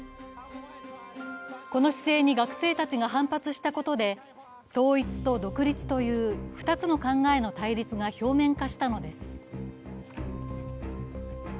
この姿勢に学生たちが反発したことで統一と独立という２つの考えの対立が表面化したのです。